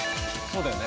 そうだよ。